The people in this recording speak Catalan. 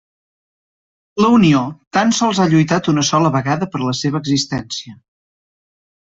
La Unió tan sols ha lluitat una sola vegada per la seva existència.